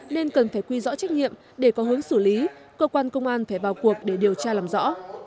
nên cần phải quy rõ trách nhiệm để có hướng xử lý cơ quan công an phải vào cuộc để điều tra làm rõ